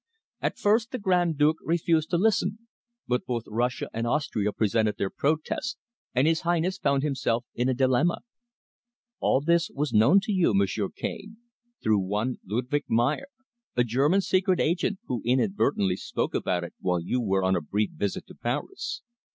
At first the Grand Duke refused to listen, but both Russia and Austria presented their protests, and his Highness found himself in a dilemma. All this was known to you, m'sieur Cane, through one Ludwig Mayer, a German secret agent, who inadvertently spoke about it while you were on a brief visit to Paris.